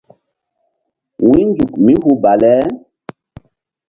Wu̧ynzuk mí hu bale.